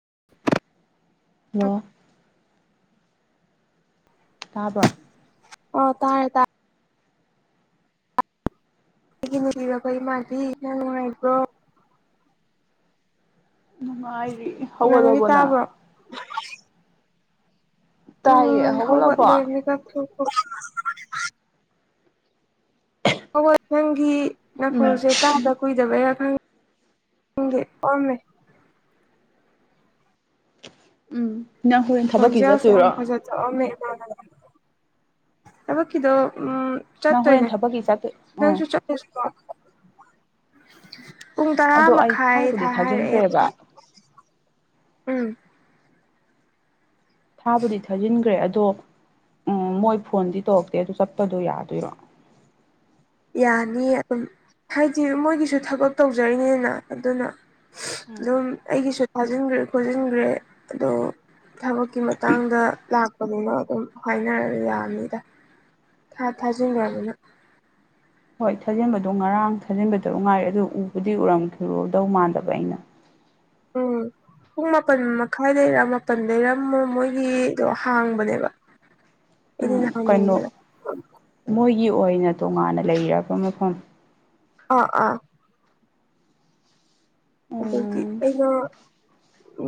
[unintelligible] hello ꯇꯥꯕ꯭ꯔꯣ ꯑꯣ ꯇꯥꯔꯦ ꯇꯥ ꯑꯩꯒꯤ ꯅꯨꯡꯁꯤꯔꯕ ꯏꯃꯥꯟꯅꯕꯤ ꯅꯪ ꯅꯨꯡꯉꯥꯏꯕ꯭ꯔꯣ ꯅꯨꯡꯉꯥꯏꯔꯤ ꯏꯃꯥꯟꯅꯕꯤ ꯍꯧꯒꯠꯂꯕꯣ ꯅꯪ ꯇꯥꯕ꯭ꯔꯣ [unintelligible] ꯇꯥꯏꯌꯦ ꯎꯝ ꯍꯧꯒꯠꯂꯦ ꯍꯧꯒꯠꯂꯕꯣ ꯃꯤꯀꯞ ꯊꯣꯛꯄ ꯍꯣ ꯍꯣꯏ ꯅꯪꯒꯤ ꯎꯝ ꯅꯥꯈꯣꯜꯁꯦ ꯇꯥꯗ ꯀꯨꯏꯗꯕꯩꯔ ꯈꯪ ꯈꯪꯗꯦ ꯄꯝꯃꯦ ꯎꯝ ꯅꯪ ꯍꯣꯔꯦꯟ ꯊꯕꯛꯀꯤ ꯈꯣꯟꯖꯦꯜꯁꯦ ꯌꯥꯝ ꯆꯠꯇꯣꯏꯔꯣ [unintelligible] ꯊꯕꯛꯀꯤꯗꯣ ꯎꯝ ꯅꯪ ꯍꯣꯔꯦꯟ ꯆꯠꯇꯣꯏꯅꯦ ꯊꯕꯛꯀꯤ ꯆꯠꯇꯣꯏ ꯅꯪꯁꯨ ꯎꯝ ꯆꯠꯂꯨꯁꯤꯀꯣ ꯄꯨꯡ ꯇꯔꯥ ꯑꯗꯣ ꯑꯩ ꯃꯈꯥꯏ ꯊꯥ ꯊꯥꯕꯨꯗꯤ ꯍꯥꯏꯔꯛꯑꯦ ꯑꯗꯨꯝ ꯊꯥꯖꯤꯟꯈ꯭ꯔꯦꯕ ꯎꯝ ꯊꯥꯕꯨꯗꯤ ꯊꯥꯖꯤꯟꯒ꯭ꯔꯦ ꯑ ꯑꯗꯣ ꯎꯝ ꯃꯣꯏ ꯐꯣꯟꯗꯤ ꯇꯧꯔꯛꯇꯦ ꯑꯗꯨ ꯆꯠꯄꯗꯣ ꯌꯥꯗꯣꯏꯔꯣ ꯌꯥꯅꯤ ꯑꯗꯨꯝ ꯍꯥꯏꯗꯤ ꯃꯣꯏꯒꯤꯁꯨ ꯊꯕꯛ ꯇꯧꯖꯔꯤꯅꯦꯅ ꯑꯗꯨꯅ ꯎꯝ ꯑꯗꯨꯝ ꯑꯩꯒꯤꯁꯨ ꯊꯥꯖꯤꯟꯈ꯭ꯔꯦ ꯈꯣꯖꯤꯟꯒ꯭ꯔꯦ ꯑꯗꯣ ꯊꯕꯛꯀꯤ ꯃꯇꯥꯡꯗ ꯂꯥꯛ ꯂꯄꯅꯤꯅ ꯑꯗꯨꯝ ꯍꯥꯏꯅꯔꯅꯤ ꯌꯥꯔꯅꯤꯗ ꯊꯥꯖꯤꯟꯈ꯭ꯔꯅꯤꯅ ꯍꯣꯏ ꯊꯥꯖꯤꯟꯕꯗꯣ ꯉꯔꯥꯡ ꯊꯥꯖꯤꯟꯕꯗꯣ ꯉꯥꯏꯔꯦ ꯑꯗꯨ ꯎꯕꯗꯤ ꯎꯔꯝꯈꯤꯔꯣꯗꯧ ꯃꯥꯟꯗꯕ ꯑꯩꯅ ꯎꯝ ꯄꯨꯡ ꯃꯥꯄꯜ ꯃꯈꯥꯏꯗꯔ ꯃꯥꯄꯜ ꯂꯩꯔꯝꯃꯣ ꯃꯣꯏꯒꯤꯗꯣ ꯍꯥꯡꯕꯅꯦꯕ ꯑꯩꯅ ꯅꯍꯥꯟ ꯀꯩꯅꯣ ꯌꯦꯡꯕꯗ ꯃꯣꯏꯒꯤ ꯑꯣꯏꯅ ꯇꯣꯉꯥꯟꯅ ꯂꯩꯔꯕ ꯃꯐꯝ ꯑ ꯑꯥ ꯑꯗꯒꯤ ꯎꯝ ꯑꯩꯅ ꯎ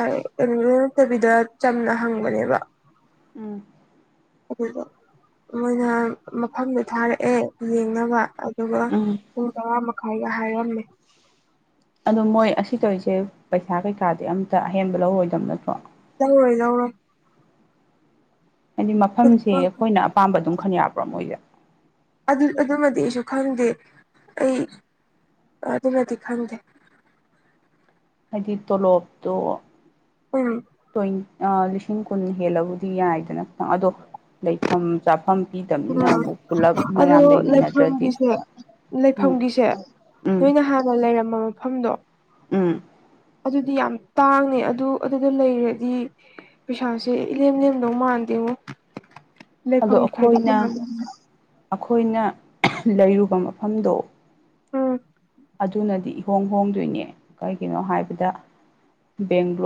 ꯑꯦꯟ ꯅꯠꯇꯕꯤꯗ ꯆꯝꯅ ꯍꯪꯕꯅꯦꯕ ꯎꯝ ꯑꯗꯨꯗ ꯃꯣꯏꯅ ꯃꯐꯝꯗꯨ ꯊꯥꯔꯛꯑꯦ ꯌꯦꯡꯅꯕ ꯑꯗꯨꯒ ꯎꯝ ꯄꯨꯡ ꯇꯔꯥ ꯃꯈꯥꯏꯗ ꯍꯥꯏꯔꯝꯃꯦ ꯑꯗꯣ ꯃꯣꯏ ꯑꯁꯤ ꯇꯧꯔꯤꯁꯦ ꯄꯩꯁꯥ ꯀꯩꯀꯥꯗꯤ ꯑꯝꯇ ꯑꯍꯦꯟꯕ ꯂꯧꯔꯣꯏꯗꯕ ꯅꯠꯇ꯭ꯔꯣ ꯌꯥꯧꯔꯣꯏ ꯂꯧꯧꯔꯣꯏ ꯍꯥꯏꯗꯤ ꯃꯐꯝꯁꯦ ꯑꯩꯈꯣꯏꯅ ꯑꯄꯥꯝꯕ ꯑꯗꯨꯝ ꯈꯟ ꯌꯥꯕ꯭ꯔꯣ ꯃꯣꯏꯁꯦ ꯑꯗꯨꯃꯗꯤ ꯑꯩꯁꯨ ꯈꯪꯗꯦ ꯑꯩ ꯑꯗꯨꯅꯗꯤ ꯈꯪꯗꯦ ꯍꯥꯏꯗꯤ ꯇꯣꯂꯣꯞꯇꯣ ꯎꯝ ꯂꯤꯁꯤꯡ ꯀꯨꯟ ꯍꯦꯜꯂꯕꯨꯗꯤ ꯌꯥꯏꯗꯅꯪ ꯑꯗꯣ ꯂꯩꯐꯝ ꯆꯥꯐꯝ ꯎꯝ ꯄꯕꯤꯗꯕꯅꯤꯅ ꯑꯃꯨꯛ ꯄꯨꯂꯞ ꯑꯗꯣ ꯃꯌꯥꯝ ꯂꯩꯃꯤꯟꯅꯗ꯭ꯔꯗꯤ ꯂꯩꯐꯝꯒꯤꯁꯦ ꯎꯝ ꯂꯩꯐꯝꯒꯤꯁꯦ ꯎꯝ ꯅꯣꯏꯅ ꯍꯥꯟꯅ ꯂꯩꯔꯝꯕ ꯃꯐꯝꯗꯣ ꯎꯝ ꯑꯗꯨꯗꯤ ꯌꯥꯝ ꯇꯥꯡꯉ ꯑꯗꯨ ꯑꯗꯨꯗ ꯂꯩꯔꯗꯤ ꯄꯩꯁꯥꯁꯦ ꯏꯂꯦꯝ ꯂꯦꯝꯗꯧ ꯃꯥꯟꯗꯦ ꯑꯗꯣ ꯂꯩꯐꯝ ꯁꯥꯏꯗ ꯑꯩꯈꯣꯏꯅ ꯑꯩꯈꯣꯏꯅ ꯂꯩꯔꯨꯕ ꯃꯐꯝꯗꯣ ꯎꯝ ꯑꯗꯨꯅꯗꯤ ꯏꯍꯣꯡ ꯍꯣꯡꯗꯣꯏꯅꯦ ꯀꯩꯒꯤꯅꯣ ꯍꯥꯏꯕꯗ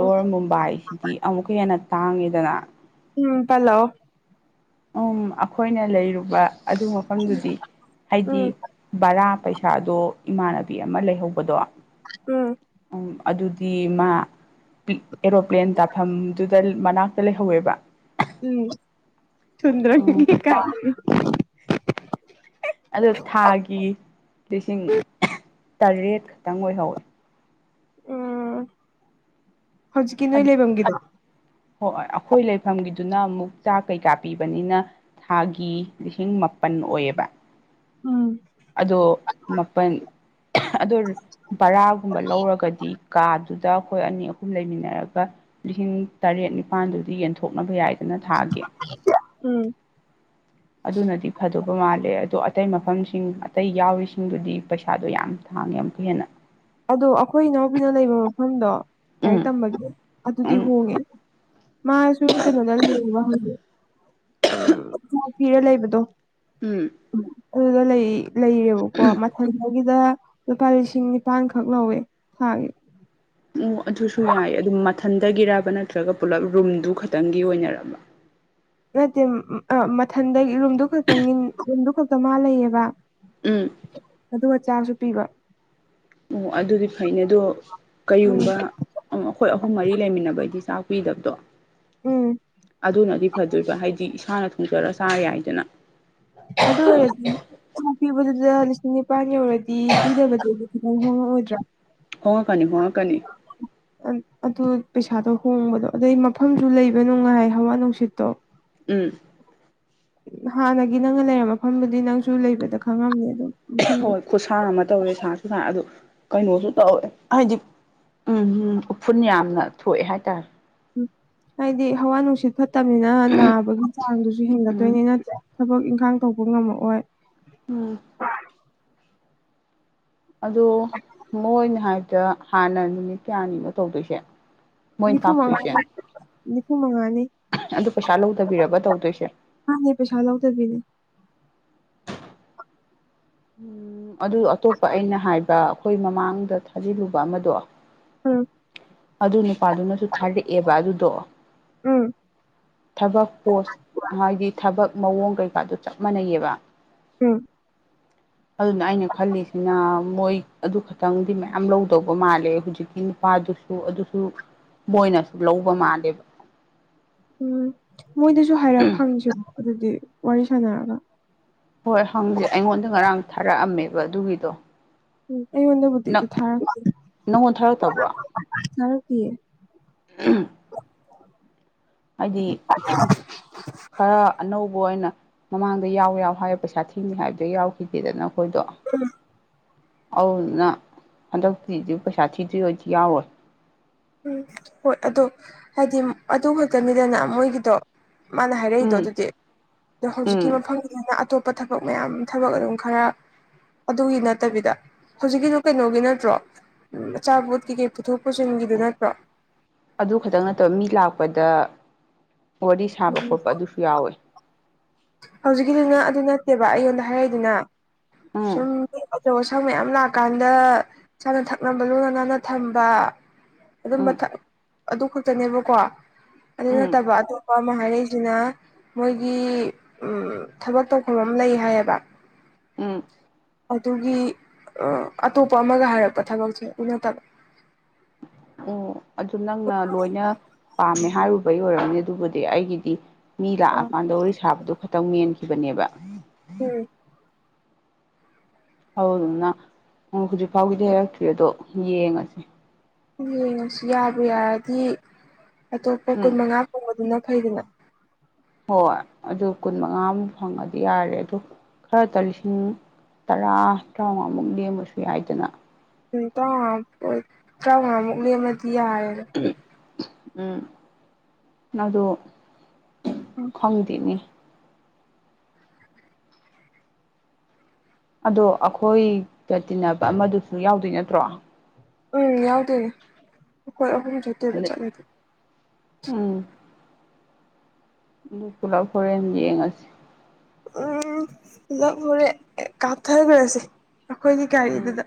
ꯎꯝ ꯃꯨꯝꯕꯥꯏꯁꯤꯗꯤ ꯑꯃꯨꯛꯀ ꯍꯦꯟꯅ ꯇꯥꯡꯉꯤꯗꯅ ꯎꯝ ꯍꯂꯣ ꯎꯝ ꯑꯩꯈꯣꯏꯅ ꯂꯩꯔꯨꯕ ꯑꯗꯨ ꯃꯐꯝꯗꯨꯗꯤ ꯍꯥꯏꯗꯤ ꯎꯝ ꯕꯔꯥ ꯄꯩꯁꯥꯗꯣ ꯏꯃꯥꯟꯅꯕꯤ ꯑꯃ ꯂꯩꯍꯧꯕꯗꯣ ꯎꯝ ꯎꯝ ꯑꯗꯨꯗꯤ ꯃꯥ ꯑꯦꯔꯣꯄ꯭ꯂꯦꯟ ꯇꯥꯐꯝꯗꯨꯗ ꯃꯅꯥꯛꯇ ꯂꯩꯍꯧꯋꯦꯕ ꯎꯝ ꯁꯨꯗ꯭ꯔ ꯎꯝ ꯀ ꯑꯗꯣ ꯊꯥꯒꯤ ꯂꯤꯁꯤꯡ ꯇꯔꯦꯠ ꯈꯛꯇꯪ ꯑꯣꯏꯍꯧꯋꯦ ꯎꯝ ꯍꯧꯖꯤꯛꯀꯤ ꯅꯣꯏ ꯂꯩꯐꯝꯝꯒꯤꯗ‌ꯣ ꯍꯣꯏ ꯑꯩꯈꯣꯏ ꯂꯩꯐꯝꯒꯤꯗꯨꯅ ꯑꯃꯨꯛ ꯆꯥꯛ ꯀꯩꯀꯥ ꯄꯤꯕꯅꯤꯅ ꯊꯥꯒꯤ ꯂꯤꯁꯤꯡ ꯃꯥꯄꯜ ꯑꯣꯏꯌꯦꯕ ꯎꯝ ꯑꯗꯣ ꯃꯥꯄꯜ ꯑꯗꯣ ꯚꯔꯥꯒꯨꯝꯕ ꯂꯧꯔꯒꯗꯤ ꯀꯥꯗꯨ ꯑꯗꯨꯗ ꯑꯩꯈꯣꯏ ꯑꯅꯤ ꯑꯍꯨꯝ ꯂꯩꯃꯤꯟꯅꯔꯒ ꯂꯤꯁꯤꯡ ꯇꯔꯦꯠ ꯅꯤꯄꯥꯜꯗꯨꯗꯤ ꯌꯦꯟꯊꯣꯛꯅꯕ ꯌꯥꯏ ꯅ ꯊꯥꯒꯤ ꯎꯝ ꯑꯗꯨꯅꯗꯤ ꯐꯗꯨꯕ ꯃꯥꯜꯂꯦ ꯑꯗꯣ ꯑꯇꯩ ꯃꯐꯝꯁꯤꯡ ꯑꯇꯩ ꯌꯥꯎꯔꯤꯁꯤꯡꯗꯨꯗꯤ ꯄꯩꯁꯥꯗꯣ ꯌꯥꯝ ꯊ ꯍꯥꯡꯒ ꯌꯥꯝ ꯀꯨꯏꯦꯅ ꯑꯗꯣ ꯑꯩꯈꯣꯏ ꯏꯅꯥꯎꯕꯤꯅ ꯂꯩꯕ ꯃꯐꯝꯗꯣ ꯎꯝ ꯂꯥꯏꯔꯤꯛ ꯇꯝꯕꯒꯤ ꯑꯗꯨꯗꯤ ꯎꯝ ꯍꯣꯡꯉꯦ ꯃꯥꯁꯨ ꯀꯩꯅꯣꯗꯣ ꯍꯧꯖꯤꯛ [unintelligible] ꯎꯝ ꯀꯤꯔ ꯂꯩꯕꯗꯣ ꯎꯝ ꯑꯗꯨꯗ ꯂꯩꯌꯦꯕꯀꯣ ꯃꯊꯟꯗꯒꯤꯗ ꯂꯨꯄꯥ ꯂꯤꯁꯤꯡ ꯅꯤꯄꯥꯟꯈꯛ ꯂꯧꯋꯦ ꯊꯥꯒꯤ ꯑꯣ ꯑꯗꯨꯁꯨ ꯌꯥꯏ ꯑꯗꯨꯝ ꯃꯊꯟꯊꯒꯤꯔꯕ ꯅꯠꯇ꯭ꯔꯒ ꯄꯨꯂꯞ ꯔꯨꯝꯗꯨ ꯈꯛꯇꯪꯒꯤ ꯑꯣꯏꯅꯔꯕ ꯅꯠꯇꯦ ꯃꯊꯟꯗꯒꯤ ꯔꯨꯝꯗꯨ ꯈꯛꯇ ꯔꯨꯝꯗꯨ ꯈꯛꯇ ꯃꯥ ꯂꯩꯌꯦꯕ ꯎꯝ ꯑꯗꯨꯒ ꯆꯥꯛꯁꯨ ꯄꯤꯕ ꯑꯣ ꯑꯗꯨꯗꯤ ꯐꯩꯅꯦ ꯑꯗꯣ ꯎꯝ ꯀꯔꯤꯒꯨꯝꯕ ꯑꯩꯈꯣꯏ ꯑꯍꯨꯝ ꯃꯔꯤ ꯂꯩꯃꯤꯟꯅꯕꯩꯗꯤ ꯆꯥꯛ ꯄꯤꯗꯕꯗꯣ ꯎꯝ ꯑꯗꯨꯅꯗꯤ ꯐꯗꯣꯏꯕ ꯍꯥꯏꯗꯤ ꯏꯁꯥꯅ ꯊꯣꯡꯖꯔꯁꯨ ꯆꯥ ꯌꯥꯏꯗꯅ ꯑꯗꯨ ꯑꯣꯏꯔꯗꯤ ꯄꯤꯕꯗꯨꯗ ꯂꯤꯁꯤꯡ ꯅꯤꯄꯥꯟ ꯌꯧꯔ ꯗꯤ ꯄꯤꯗꯕꯗꯗꯤ ꯈꯤꯇꯥꯪ ꯍꯣꯡꯉꯛꯑꯣꯏꯗ꯭ꯔ‌ꯣ ꯍꯣꯡꯉꯛꯀꯅꯤ ꯍꯣꯡꯉꯛꯀꯅꯤ ꯑꯗꯨ ꯄꯩꯁꯥꯗꯣ ꯍꯣꯡꯕꯗꯣ ꯑꯗꯩ ꯃꯐꯝꯁꯨ ꯂꯩꯕ ꯅꯨꯡꯉꯥꯏ ꯍꯋꯥ ꯅꯨꯡꯁꯤꯠꯇꯣ ꯎꯝ ꯍꯥꯟꯅꯒꯤ ꯅꯪꯅ ꯂꯩꯔꯝꯕ ꯃꯐꯝꯗꯨꯗꯤ ꯅꯪꯁꯨ ꯂꯩꯕꯗ ꯈꯪꯉꯝꯅꯤ ꯑꯗꯨꯝ ꯃꯐꯝꯗꯣ ꯍꯣꯏ ꯈꯨꯠꯁꯥ ꯑꯃ ꯇꯧꯋꯦ ꯁꯥꯁꯨ ꯁꯥꯏ ꯑꯗꯨ ꯀꯩꯅꯣꯁꯨ ꯇꯧꯋꯦ ꯍꯥꯏꯗꯤ ꯎꯝ ꯎꯝ ꯎꯐꯨꯟ ꯌꯥꯝꯅ ꯊꯣꯛꯑꯦ ꯍꯥꯏꯇꯥꯔꯦ ꯍꯥꯏꯗꯤ ꯍꯋꯥ ꯅꯨꯡꯁꯤꯠ ꯐꯠꯇꯝꯅꯤꯅ ꯅꯥꯕꯒꯤ ꯆꯥꯡꯗꯨꯁꯨ ꯎꯝ ꯍꯦꯟꯒꯠꯇꯣꯏꯅꯤ ꯅꯠꯇ꯭ꯔ ꯊꯕꯛ ꯏꯪꯈꯥꯡ ꯇꯧꯕ ꯉꯝꯃꯛꯑꯣꯏ ꯎꯝ ꯑꯗꯣ ꯃꯣꯏꯅ ꯍꯥꯏꯕꯗ ꯍꯥꯟꯅ ꯅꯨꯃꯤꯠ ꯀꯌꯥꯅꯤꯅꯣ ꯇꯧꯗꯣꯏꯁꯦ ꯃꯣꯏꯅ ꯅꯤꯐꯨ ꯇꯥꯛꯇꯣꯏꯁꯦ ꯃꯉꯥꯅꯤ ꯅꯤꯐꯨ ꯃꯉꯥꯅꯤ ꯑꯗꯨ ꯄꯩꯁꯥ ꯂꯧꯗꯕꯤꯔꯕ ꯇꯧꯗꯣꯏꯁꯦ ꯃꯥꯅꯦ ꯄꯩꯁꯥ ꯂꯧꯗꯕꯤꯅꯦ [unintelligible] ꯎꯝ ꯑꯗꯨ ꯑꯇꯣꯞꯄ ꯑꯩꯅ ꯍꯥꯏꯕ ꯑꯩꯈꯣꯏ ꯃꯃꯥꯡꯗ ꯊꯥꯖꯤꯜꯂꯨꯕ ꯑꯃꯥꯗꯣ ꯎꯝ ꯑꯗꯨ ꯅꯨꯄꯥꯗꯨꯅꯁꯨ ꯊꯥꯔꯛꯑꯦꯕ ꯑꯗꯨꯗꯣ ꯎꯝ ꯊꯕꯛ ꯄꯣꯁꯠ ꯍꯥꯏꯗꯤ ꯊꯕꯛ ꯃꯑꯣꯡ ꯀꯩꯀꯥꯗꯨ ꯆꯞ ꯃꯥꯟꯅꯩꯌꯦꯕ ꯎꯝ ꯑꯗꯨꯅ ꯑꯩꯅ ꯈꯜꯂꯤꯁꯤꯅ ꯃꯣꯏ ꯑꯗꯨ ꯈꯛꯇꯪꯗꯤ ꯃꯌꯥꯝ ꯂꯧꯗꯧꯕ ꯃꯥꯜꯂꯦ ꯍꯧꯖꯤꯛꯀꯤ ꯅꯨꯄꯥ ꯗꯨꯁꯨ ꯑꯗꯨꯁꯨ ꯃꯣꯏꯅꯁꯨ ꯂꯧꯕ ꯃꯥꯜꯂꯦꯕ ꯎꯝ ꯃꯣꯏꯗꯁꯨ ꯍꯥꯏꯔꯞ ꯍꯪꯖꯦ ꯑꯗꯨꯗꯤ ꯋꯥꯔꯤ ꯁꯥꯟꯅꯔꯒ ꯍꯣꯏ ꯍꯪꯁꯦ ꯑꯩꯉꯣꯟꯗ ꯉꯔꯥꯡ ꯊꯥꯔꯛꯑꯝꯃꯦꯕ ꯑꯗꯨꯒꯤꯗꯣ ꯎꯝ ꯑꯩꯉꯣꯟꯗꯕꯨꯗꯤ ꯅꯪ ꯊꯥꯔꯛ ꯅꯪꯉꯣꯟ ꯊꯥꯔꯛꯇꯕ꯭ꯔꯣ ꯊꯥꯔꯛꯇꯤꯌꯦ [unintelligible] [inaudible] ꯍꯥꯏꯗꯤ ꯈꯔ ꯑꯅꯧꯕ ꯑꯣꯏꯅ ꯃꯃꯥꯡꯗ ꯌꯥꯎ ꯌꯥꯎ ꯍꯥꯏꯔ ꯄꯩꯁꯥ ꯊꯤꯅꯤ ꯍꯥꯏꯕꯗ ꯌꯥꯎꯈꯤꯗꯦꯗꯅ ꯑꯩꯈꯣꯏꯗꯣ ꯑꯝ ꯑꯗꯨꯗꯨꯅ ꯍꯟꯗꯛꯇꯤ ꯄꯩꯁꯥ ꯊꯤꯗ꯭ꯣꯏ ꯑꯣꯏꯗꯤ ꯌꯥꯎꯔꯣꯏ ꯎꯝ ꯍꯣꯏ ꯑꯗꯣ ꯍꯥꯏꯗꯤ ꯑꯗꯨ ꯈꯛꯇꯅꯤꯗꯅ ꯃꯣꯏꯒꯤꯗꯣ ꯃꯥꯅ ꯍꯥꯏꯔꯛꯏꯗꯣ ꯎꯝ ꯑꯗꯨꯗꯤ ꯑꯗꯣ ꯍꯧꯖꯤꯛꯀꯤ ꯎꯝ ꯃꯐꯝꯗꯨꯗꯅ ꯑꯇꯣꯞꯄ ꯊꯕꯛ ꯃꯌꯥꯝ ꯊꯕꯛ ꯑꯗꯨꯝ ꯈꯔ ꯑꯗꯨꯒꯤ ꯅꯠꯇꯕꯤꯗ ꯍꯧꯖꯤꯛꯀꯤꯁꯨ ꯀꯩꯅꯣꯒꯤ ꯅꯠꯇ꯭ꯔꯣ ꯎꯝ ꯑꯆꯥꯄꯣꯠꯀꯤ ꯀꯩ ꯀꯩ ꯄꯨꯊꯣꯛ ꯄꯨꯁꯤꯟꯒꯤ ꯑꯗꯨ ꯈꯛꯇꯪ ꯅꯠꯇꯕ ꯃꯤ ꯂꯥꯛꯄꯗ ꯋꯥꯔꯤ ꯁꯥꯕ ꯎꯝ ꯈꯣꯠꯄ ꯑꯗꯨꯁꯨ ꯌꯥꯎꯋꯦ ꯍꯧꯖꯤꯛꯀꯤꯗꯨꯅ ꯑꯗꯨ ꯅꯠꯇꯦꯕ ꯑꯩꯉꯣꯟꯗ ꯍꯥꯏꯔꯛꯏꯗꯨꯅ ꯎꯝ ꯁꯨꯝ ꯑꯆꯧ ꯑꯁꯥꯡ ꯃꯌꯥꯝ ꯂꯥꯛꯑꯀꯥꯟꯗ ꯆꯥꯅ ꯊꯛꯅꯕ ꯂꯨꯅ ꯅꯥꯟꯅ ꯊꯝꯕ ꯑꯗꯨꯝꯕ ꯎꯝ ꯑꯗꯨ ꯈꯛꯇꯅꯦꯕꯀꯣ ꯑꯗꯨ ꯎꯝ ꯅꯠꯇꯕ ꯑꯇꯣꯞꯄ ꯑꯃ ꯍꯥꯏꯔꯛꯏꯁꯤꯅ ꯃꯣꯏꯒꯤ ꯎꯝ ꯊꯕꯛ ꯇꯧꯐꯝ ꯑꯃ ꯂꯩ ꯍꯥꯏꯌꯦꯕ ꯎꯝ ꯑꯗꯨꯒꯤ ꯑꯇꯣꯞꯄ ꯑꯃꯒ ꯍꯥꯏꯔꯛꯄ ꯊꯕꯛꯁꯦ ꯎ ꯅꯠꯇꯕ ꯑꯣ ꯑꯗꯨ ꯅꯪꯅ ꯂꯣꯏꯅ ꯄꯥꯝꯃꯦ ꯍꯥꯏꯔꯨꯕꯩ ꯑꯣꯏꯔꯝꯅꯤ ꯑꯗꯨꯕꯨꯗꯤ ꯑꯩꯒꯤꯗꯤ ꯃꯤ ꯑ ꯂꯥꯛꯑꯀꯥꯟꯗ ꯋꯥꯔꯤ ꯁꯥꯕꯗꯨ ꯇꯪ ꯃꯦꯟꯈꯤꯕꯅꯦꯕ ꯎꯝ ꯍ ꯑꯗꯨꯅ ꯍꯧꯖꯤꯛ ꯐꯥꯎꯒꯤꯗꯤ ꯍꯥꯏꯔꯛꯇ꯭ꯔꯤ ꯑꯗꯣ ꯌꯦꯡꯉꯁꯤꯦ ꯌꯦꯡꯉꯁꯨ ꯌꯥꯕꯨ ꯌꯥꯔꯗꯤ ꯑꯇꯣꯞꯄ ꯀꯨꯟ ꯎꯝ ꯃꯉꯥ ꯐꯥꯎꯕꯗꯨꯅ ꯈꯩꯗꯅ ꯍꯣꯏ ꯑꯗꯨ ꯀꯨꯟ ꯃꯉꯥꯃꯨ ꯐꯪꯉꯗꯤ ꯌꯥꯔꯦ ꯑꯗ ꯈꯔꯇ ꯂꯤꯁꯤꯡ ꯇꯔꯥ ꯇꯔꯥꯃꯉꯥꯃꯨꯛꯗꯤ ꯑꯃꯁꯨ ꯌꯥꯏꯗꯅ ꯇꯣꯏꯠꯇ ꯃꯨꯛꯂꯤ ꯑꯃꯗꯤꯗꯤꯔ ꯎꯝ ꯅꯪꯗ ꯎꯝ ꯈꯣꯡꯗꯦꯅꯤ ꯑꯗꯣ ꯑꯩꯈꯣꯏꯒ ꯇꯤꯟꯅꯕ ꯑꯃꯗꯨꯁꯨ ꯌꯥꯎꯗꯣꯏ ꯅꯠꯇ꯭ꯔꯣ ꯎꯝ ꯌꯥ ꯣꯏꯍꯖꯇ ꯑꯗꯩ ꯆ ꯅꯨ ꯀꯂꯥ ꯐꯣꯔ ꯌꯦ ꯉꯁꯤ ꯎꯝ ꯑꯣꯞ ꯍꯔꯦ ꯀꯥꯞ ꯊꯔꯒꯁꯤ ꯑꯩꯈꯣꯏꯒꯤ ꯒꯥꯔꯤꯗꯨꯗ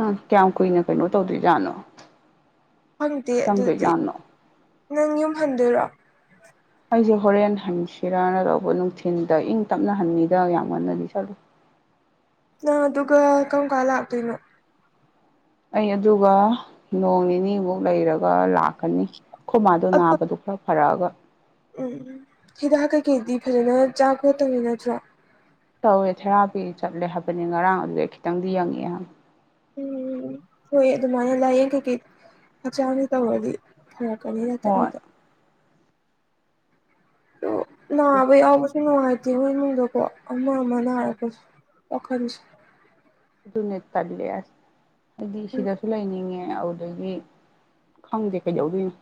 ꯑ ꯀꯌꯥꯝ ꯀꯨꯏꯅ ꯀꯩꯅꯣ ꯇꯧꯗꯣꯏꯖꯥꯠꯅꯣ ꯐꯪꯗꯦ ꯑꯗꯨꯗꯤ ꯆꯪꯗꯣꯏꯖꯥꯠꯅꯣ ꯅꯪ ꯌꯨꯝꯍꯟꯗꯣꯏꯔꯣ ꯑꯩꯁꯦ ꯍꯣꯔꯦꯟ ꯍꯟꯁꯤꯔꯥꯅ ꯂꯧꯕ ꯅꯨꯡꯊꯤꯤꯟꯗ ꯏꯪ ꯇꯞꯅ ꯍꯟꯉꯗ ꯌꯥꯝ ꯉꯟꯅꯗꯤ ꯆꯠꯂꯨ [unintelligible] ꯅ ꯑꯗꯨꯒꯗꯨꯒ ꯀꯪ ꯀꯂꯇꯅ ꯑꯩ ꯑꯗꯨꯒ ꯅꯣꯡ ꯅꯤꯅꯤꯃꯨꯛ ꯂꯩꯔꯒ ꯂꯥꯛ ꯀꯅꯤ ꯈꯨꯃꯥꯗꯨꯣ ꯅꯥꯕꯗꯨ ꯄꯨꯔ ꯐꯔꯛꯑꯒ ꯎꯝ ꯎꯝ ꯍꯤꯗꯥꯛ ꯀꯩꯀꯩꯗꯤ ꯐꯖꯅ ꯆꯥ ꯈꯣꯠꯇꯕꯅꯤ ꯅꯠꯇ꯭ꯔꯣ ꯇꯧꯋꯦ ꯊꯦꯔꯥꯄꯤ ꯆꯠꯂꯦ ꯍꯥꯏꯕꯅꯤ ꯉꯔꯥꯡ ꯑꯗꯨꯗ ꯈꯤꯇꯪꯗꯤ ꯌꯦꯡꯉꯦ ꯎꯝ ꯍꯣꯏ ꯑꯗꯨꯃꯥꯏꯅ ꯂꯥꯏꯌꯦꯡ ꯀꯩꯀꯩ ꯍꯛꯆꯥꯥꯡꯅ ꯇꯧꯔꯗꯤ ꯀꯩꯅꯗ ꯍꯣꯏ ꯃꯤꯗ ꯑ ꯑꯗꯨ ꯅꯥꯕ ꯌꯥꯎꯕꯁꯨ ꯅꯨꯡꯉꯥꯏꯇꯦꯕꯣꯏꯃꯨꯡꯗꯀꯣ ꯑꯃ ꯑꯃ ꯎꯝ ꯅꯥꯔꯛꯄꯁꯨ ꯑꯣꯈ ꯅ ꯇꯥꯕꯤ ꯂꯩꯁ ꯑꯗꯨꯗꯤ ꯎꯝ ꯁꯤꯗꯥꯁꯨ ꯂꯩꯥꯏꯅꯤꯡꯉꯦ ꯑꯗꯨꯗꯒꯤ ꯈꯪꯗꯦ ꯀꯩꯖꯧꯗꯅ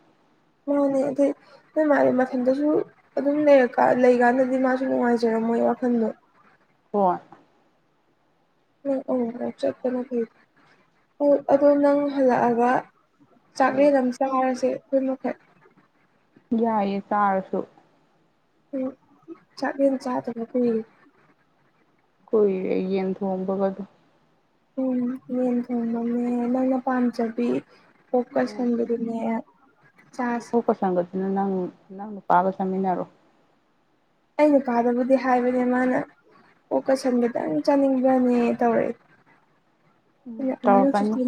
ꯃꯥꯅꯦ ꯑꯗꯨꯗꯩ ꯅꯣꯏ ꯃꯥꯅꯤ ꯃꯊꯟꯗꯁꯨ ꯑꯗꯨꯝ ꯂꯩꯀꯥꯟ ꯂꯩꯀꯥꯟꯗꯗꯤ ꯃꯥꯁꯨ ꯅꯨꯡꯉꯥꯏꯖꯔꯝꯃꯣ ꯋꯥꯈꯟꯗ ꯍ ꯅꯪ ꯑ ꯆꯠꯇꯅ ꯀꯩ ꯑꯣ ꯑꯗꯣ ꯅꯪ ꯍꯜꯂꯛꯑꯒ ꯆꯥꯛꯂꯦ ꯎꯝ ꯂꯝ ꯆꯥꯔꯁꯦ ꯑꯩꯈꯣꯏ ꯃꯈꯩ ꯌꯥꯏꯌꯦ ꯇꯥꯔꯁꯨ ꯎꯝ ꯆꯠꯒ ꯆ ꯑꯗꯨ ꯀ ꯀꯣꯏ ꯑꯏ ꯊꯣꯡꯕꯒꯗ ꯎꯝ ꯌꯦꯟ ꯊꯣꯡꯕꯅꯦ ꯅꯪꯅ ꯄꯥꯝꯖꯕꯤ ꯐꯣꯛꯀꯁ ꯍꯣꯟꯕꯗꯨꯅꯦ ꯎ ꯑꯣꯀ ꯁꯒꯁꯤꯅ ꯅꯪ ꯅꯪꯅ ꯄꯥꯒ ꯆꯃꯤꯟꯅꯔꯣ ꯑ ꯅꯨꯄꯥꯗꯕꯨꯗꯤ ꯍꯥꯏꯕꯅꯦ ꯃꯥꯅ ꯑꯣ ꯀꯁꯟ ꯦꯗꯪ ꯆꯥꯅꯤꯡꯕ꯭ꯔꯅꯦ ꯇꯧꯔꯛ ꯂꯨ ꯇꯧꯔꯛꯀꯅꯤ ꯆꯀꯦ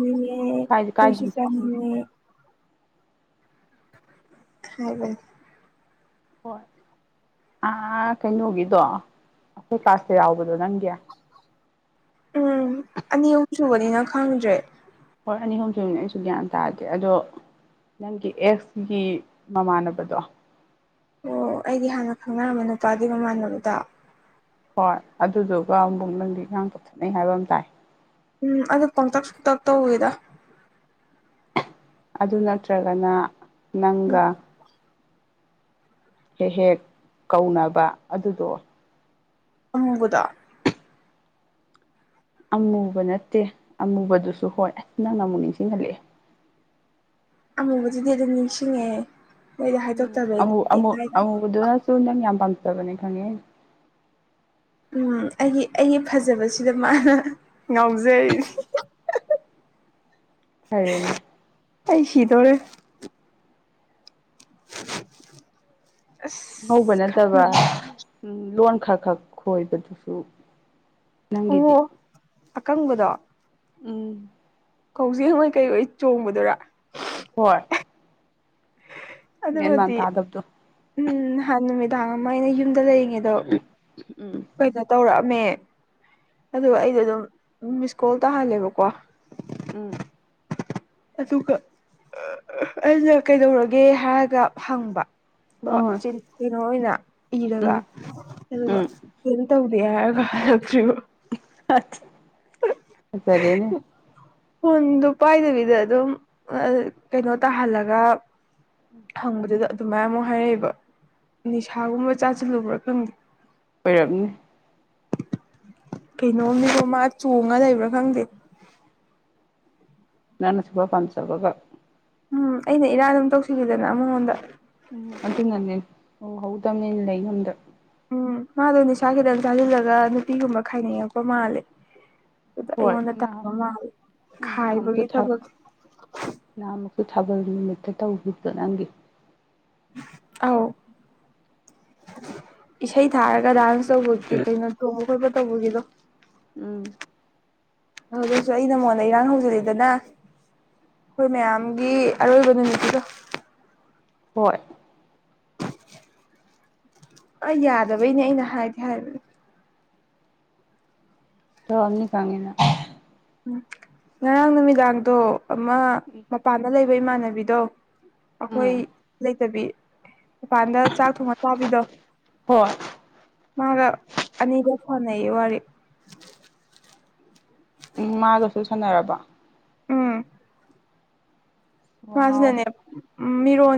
ꯀꯥꯏꯗꯤ ꯀꯥꯏꯗꯦ ꯈꯨꯣꯏꯁꯤ ꯆꯦ ꯎꯝ ꯍ ꯍꯣꯏ ꯑ ꯀꯩꯅꯣꯒꯤꯗꯣ ꯑꯩꯈꯣꯏ ꯀ꯭ꯂꯥꯁꯇ ꯌꯥꯎꯕꯗꯣ ꯅꯪꯒꯤ ꯎꯝ ꯑꯅꯤ ꯑꯍꯨꯝ ꯁꯨꯕꯅꯤꯅ ꯈꯪꯗ꯭ꯔꯦ ꯍ ꯑꯅꯤ ꯑꯨꯝꯗꯣꯏꯅ ꯑꯩꯁꯨ ꯒ꯭ꯌꯥꯟ ꯇꯥꯗꯦ ꯑꯗꯣ ꯅꯪꯒꯤ ꯑꯦꯛꯁꯒꯤ ꯃꯃꯥꯟꯅꯕꯗꯣ ꯑꯣ ꯑꯩꯗꯤ ꯍꯥꯟꯅ ꯈꯪꯅꯔꯝꯕ ꯅꯨꯄꯥꯒꯤ ꯃꯃꯥꯟꯅꯕꯗꯨꯗ ꯍꯣꯏ ꯑꯗꯨꯗꯨꯒ ꯑꯃꯨꯨꯛ ꯅꯪꯗꯤ ꯏꯥꯡ ꯇꯧꯊꯠꯅꯩ ꯍꯥꯏꯕ ꯑꯃ ꯇꯥꯏ ꯎꯝ ꯑꯗꯨ ꯄꯛꯇꯛ ꯁꯨꯡꯇꯛ ꯇꯧꯏꯗ ꯑꯗꯨ ꯅꯠꯇ꯭ꯔꯒꯅ ꯎꯝ ꯅꯪꯒ ꯍꯦꯛ ꯍꯦꯛ ꯀꯧꯅꯕ ꯑꯗꯨꯗꯣ ꯑꯃꯨꯕꯗꯣ ꯑꯃꯨꯕ ꯅꯠꯇꯦ ꯑꯃꯨꯕꯗꯨꯁꯨ ꯍꯣꯏ ꯅꯪꯅ ꯑꯃꯨꯛ ꯅꯤꯡꯁꯤꯡꯍꯜꯂꯛꯑꯦ ꯑꯃꯨꯕꯗꯨꯗꯤ ꯑꯗꯨꯝ ꯅꯤꯡꯁꯤꯡꯉꯦ ꯅꯣꯏꯗ ꯎꯝ ꯍꯥꯏꯗꯣꯛꯇꯕꯩꯅꯦ ꯑꯃꯨ ꯑꯃꯨꯗꯨꯅꯁꯨ ꯅꯪ ꯌꯥꯝ ꯄꯥꯝꯖꯕꯅꯤ ꯈꯪꯉꯦ ꯎ ꯑꯩꯒꯤ ꯑꯩꯒꯤ ꯐꯖꯕꯁꯤꯗ ꯃꯥꯅ ꯉꯥꯎꯖꯔꯤꯅꯤ ꯐꯔꯅꯦ ꯑꯩꯁꯤꯗꯣꯔꯦ [unintelligible] ꯑꯉꯧꯕ ꯑꯁ ꯅꯠꯇꯕ ꯈꯪꯉꯦ ꯂꯣꯟ ꯈꯔ ꯈꯛ ꯈꯣꯏꯕꯗꯨꯁꯨ ꯅꯪꯒꯤꯗꯤ ꯑꯣ ꯑꯀꯪꯕꯗꯣ ꯎꯝ ꯀꯖꯤꯡꯉꯣꯏ ꯀꯩ ꯑꯣꯏ ꯆꯣꯡꯕꯗꯨꯔꯥ ꯍꯣꯏ ꯃꯦꯟ ꯃꯥꯟ ꯑꯗꯨꯃꯗꯤ ꯇꯥꯗꯕꯗꯨ ꯎꯝ ꯅꯍꯥꯟ ꯅꯨꯃꯤꯗꯥꯡ ꯑꯃ ꯑꯩꯅ ꯌꯨꯝꯗ ꯂꯩꯔꯤꯉꯩꯗꯣ ꯎꯝ ꯀꯩꯅꯣ ꯇꯧꯔꯛꯑꯝꯃꯦ ꯑꯗꯨꯒ ꯑꯩꯗꯣ ꯑꯗꯨꯝ ꯃꯤꯁ ꯀꯣꯜ ꯇꯥꯍꯜꯂꯦꯕꯀꯣ ꯎꯝ ꯑꯗꯨꯒ ꯑꯩꯅ ꯀꯩꯗꯧꯔꯒꯦ ꯍꯥꯏꯔꯒ ꯍꯪꯕ ꯍꯣꯏ ꯀꯩꯅꯣ ꯑꯣꯏꯅ ꯏꯔꯒ ꯎꯝ ꯑꯗꯨꯒ ꯎꯝ ꯇꯧꯗꯦ ꯍꯥꯏꯔꯒ ꯍꯜꯂꯛꯇ꯭ꯔꯤꯕ ꯁꯔꯅꯦ [unintelligible] ꯐꯣꯟꯗꯣ ꯄꯥꯏꯗꯅꯤꯗ ꯑꯗꯨꯝ ꯀꯩꯅꯣ ꯇꯥꯍꯜꯂꯒ ꯍꯪꯕꯗꯨꯗ ꯑꯗꯨꯃꯥꯏꯅ ꯑꯃꯨꯛ ꯍꯥꯏꯔꯛꯏꯕ ꯅꯤꯁꯥꯒꯨꯝꯕ ꯆꯥꯁꯤꯜꯂꯨꯕ꯭ꯔꯥ ꯈꯪꯗꯦ ꯑꯣꯏꯔꯝꯅꯤ ꯀꯩꯅꯣꯅꯤꯀꯣ ꯃꯥ ꯆꯣꯡꯉ ꯂꯩꯕ꯭ꯔꯥ ꯈꯪꯗꯦ ꯅꯅꯁꯨꯄꯥ ꯈꯔ ꯄꯥꯝꯖꯕꯒ ꯎꯝ ꯑꯩꯅ ꯏꯔꯥ ꯑꯗꯨꯝ ꯇꯧꯁꯤꯂꯤꯗꯅ ꯃꯉꯣꯟꯗ ꯎꯝ ꯑꯗꯨꯅꯅꯦ ꯎꯍꯧꯗꯕꯅꯤꯅ ꯂꯩꯉꯨꯝꯗ ꯎꯝ ꯃꯥꯗꯣ ꯅꯤꯁꯥ ꯈꯤꯇꯪ ꯆꯥꯁꯤꯜꯂꯒ ꯅꯨꯄꯤꯒꯨꯝꯕ ꯈꯥꯏꯅꯤꯡꯉꯛꯄ ꯃꯥꯜꯂꯦ ꯑꯗꯨꯗ ꯍꯣꯏ ꯑꯩꯉꯣꯟꯗ ꯇꯥꯕ ꯃꯥꯜꯂꯦ ꯎ ꯅ ꯑꯃ ꯈꯥꯏꯕꯒꯤ ꯊ ꯊꯕꯛ ꯅ ꯑꯃ ꯊ [unintelligible] ꯃꯦꯠꯇ ꯇꯧꯒ ꯅꯪꯒꯤ ꯑꯧ ꯏꯁꯩ ꯊꯥꯔꯒ ꯗꯥꯟꯁ ꯇꯧꯕꯒꯤ ꯀꯩꯅꯣ ꯊꯣꯡꯕ ꯈꯣꯠꯄ ꯇꯧꯕꯒꯤꯗꯣ ꯎꯝ ꯑꯗꯨꯁꯨ ꯑꯩ ꯅꯉꯣꯟꯗ ꯏꯔꯥꯡ ꯍꯧꯖꯤꯜꯂꯤꯗꯅ ꯑꯩꯈꯣꯏ ꯃꯌꯥꯝꯒꯤ ꯑꯔꯣꯏꯕ ꯅꯨꯃꯤꯠꯀꯤꯗꯣ ꯍꯣꯏ ꯑ ꯌꯥꯗꯕꯩꯅꯦ ꯑꯩꯅ ꯍꯥꯏꯗꯤ ꯍꯥꯏꯕꯅꯦ ꯇ ꯑꯅꯤ ꯀꯥꯉꯦꯅ ꯎ ꯉꯔꯥꯡ ꯅꯨꯃꯤꯗꯥꯡꯗꯣ ꯑꯃ ꯃꯄꯥꯟꯗ ꯂꯩꯕ ꯏꯃꯥꯟꯅꯕꯤꯗꯣ ꯑꯩꯈꯣꯏ ꯎꯝ ꯂꯩꯇꯕꯤ ꯗꯨꯀꯥꯟꯗ ꯆꯥꯛ ꯊꯣꯡꯉ ꯆꯥꯕꯤꯗꯣ ꯍꯣꯏ ꯃꯥꯒ ꯑꯅꯤꯒ ꯍꯅ ꯋꯥꯔꯤꯔꯦ ꯎꯝ ꯃꯥꯒꯁꯨ ꯁꯥꯟꯅꯔꯕ ꯎꯝ ꯋꯥꯎ ꯋꯥꯖꯅꯅꯦ ꯃꯤꯔꯣꯅꯤ